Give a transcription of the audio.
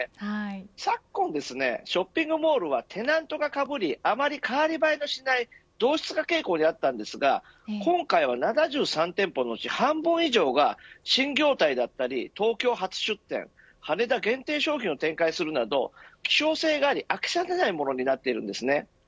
昨今ショッピングモールはテナントがかぶりあまり変わりばえのしない同質化傾向にあったんですが今回は７３店舗のうち半分以上が新業態だったり東京初出店羽田限定商品を展開するなど希少性があり飽きさせないものになっています。